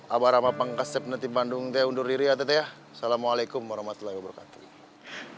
abarama pangkaset nanti bandung teh undur diri atas ya salamualaikum warahmatullahi wabarakatuh